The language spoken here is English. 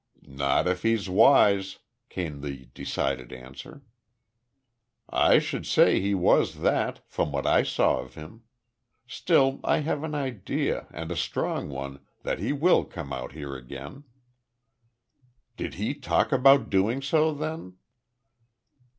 "Not if he's wise," came the decided answer. "I should say he was that from what I saw of him. Still I have an idea and a strong one that he will come out here again." "Did he talk about doing so, then?"